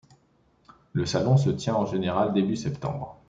Le salon se tient en général début septembre.